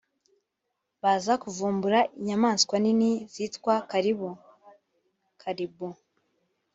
baza kuvumbura inyamaswa nini zitwa karibu (caribou)